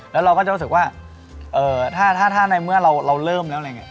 แล้วเราก็จะรู้สึกว่าถ้าในเมื่อเราเริ่มแล้วอะไรอย่างนี้